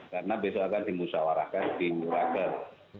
karena besok akan dimusawarahkan di raker